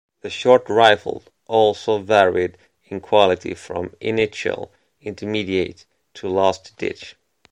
The short rifle also varied in quality from initial, intermediate, to last-ditch.